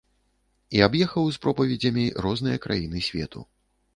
І аб'ехаў з пропаведзямі розныя краіны свету.